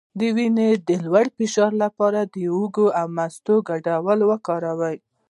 د وینې د لوړ فشار لپاره د هوږې او مستو ګډول وکاروئ